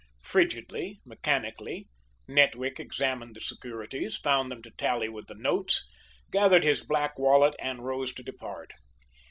Frigidly, mechanically, Nettlewick examined the securities, found them to tally with the notes, gathered his black wallet, and rose to depart.